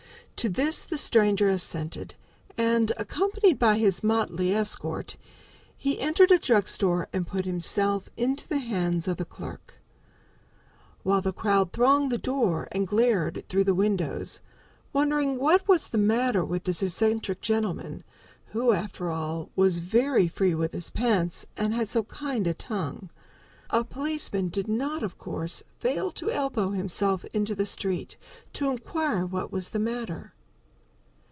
To this the stranger assented, and, accompanied by his motley escort, he entered a drug store and put himself into the hands of the clerk, while the crowd thronged the door and glared through the windows, wondering what was the matter with the eccentric gentleman, who, after all, was very free with his pence and had so kind a tongue. A policeman did not, of course, fail to elbow himself into the store, to inquire what was the matter.